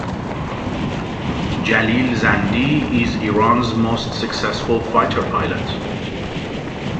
Jalil Zandi is Iran's most successful fighter pilot.